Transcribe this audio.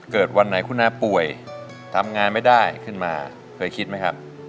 วันไหนคุณน้าป่วยทำงานไม่ได้ขึ้นมาเคยคิดไหมครับ